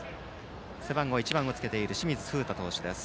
背番号１番をつけている清水風太投手です。